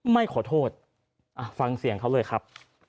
ไม่ขอโทษฟังเสียงเขาเลยครับ